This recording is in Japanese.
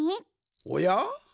おや？